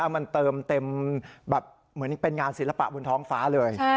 มันเติมเต็มแบบเหมือนเป็นงานศิลปะบนท้องฟ้าเลย